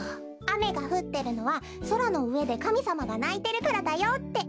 あめがふってるのはそらのうえでかみさまがないてるからだよって。